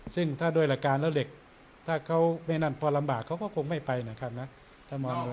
ซึ่งถ้าด้วยหลักการแล้วเด็กถ้าเขาไม่นั่นพอลำบากเขาก็คงไม่ไปนะครับนะ